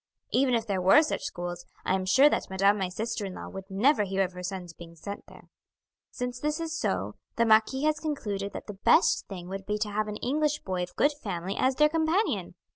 Even if there were such schools, I am sure that madame my sister in law would never hear of her sons being sent there. "Since this is so, the marquis has concluded that the best thing would be to have an English boy of good family as their companion.